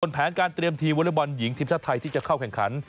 แผนการเตรียมทีมวอเล็กบอลหญิงทีมชาติไทยที่จะเข้าแข่งขัน